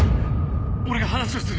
俺が話をする。